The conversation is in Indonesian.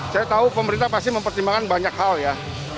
saya tahu pemerintah pasti mempertimbangkan banyak hal ya